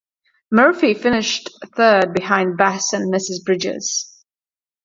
Murphy finished third behind Bass and Mrs. Bridges.